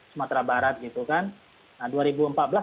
sumatera barat gitu kan nah